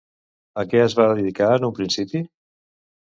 A què es va dedicar en un principi?